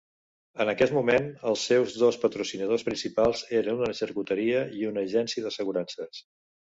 En aquest moment els seus dos patrocinadors principals eren una xarcuteria i una agència d'assegurances.